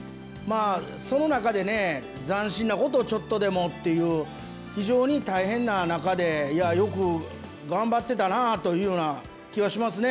その中でね、斬新なことをちょっとでもっていう、非常に大変な中で、よく頑張ってたなという気はしますね。